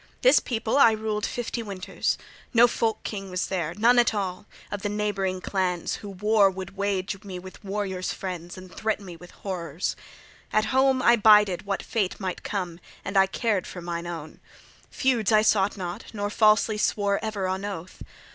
This people I ruled fifty winters. No folk king was there, none at all, of the neighboring clans who war would wage me with 'warriors' friends' {35a} and threat me with horrors. At home I bided what fate might come, and I cared for mine own; feuds I sought not, nor falsely swore ever on oath.